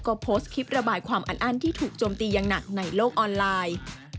ก็โพสต์คลิประบายความอันอั้นที่ถูกโจมตีอย่างหนักในโลกออนไลน์